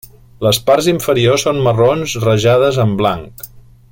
Les parts inferiors són marrons rajades amb blanc.